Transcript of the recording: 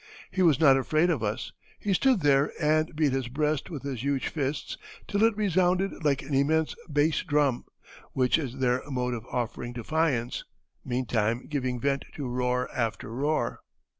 He was not afraid of us. He stood there and beat his breast with his huge fists till it resounded like an immense bass drum which is their mode of offering defiance meantime giving vent to roar after roar.